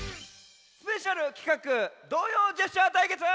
スペシャルきかく「童謡ジェスチャー対決」！